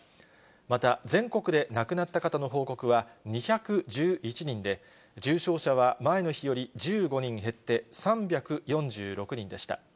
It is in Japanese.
また、全国で亡くなった方の報告は２１１人で、重症者は前の日より１５人減って３４６人でした。